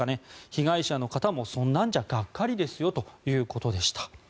被害者の方もそんなんじゃがっかりですよということでした。